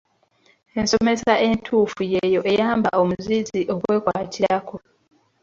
Ensomesa entuufu y'eyo eyamba omuyizi okwekwatirako.